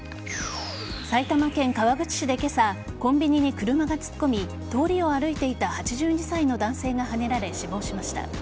埼玉県川口市で今朝コンビニに車が突っ込み通りを歩いていた８２歳の男性がはねられ死亡しました。